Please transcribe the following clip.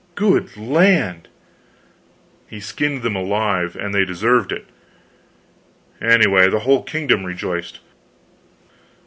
"Good land!" "He skinned them alive, and they deserved it anyway, the whole kingdom rejoiced.